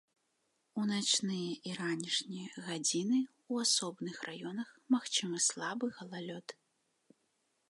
У начныя і ранішнія гадзіны ў асобных раёнах магчымы слабы галалёд.